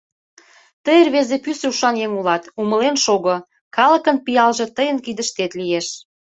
Тый рвезе, пӱсӧ ушан еҥ улат, умылен шого: калыкын пиалже тыйын кидыштет лиеш.